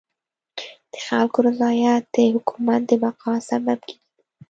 د خلکو رضایت د حکومت د بقا سبب کيږي.